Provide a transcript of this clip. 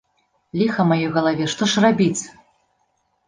Ліха маёй галаве, што ж рабіць?